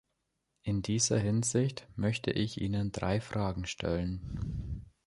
In dieser Hinsicht möchte ich Ihnen drei Fragen stellen.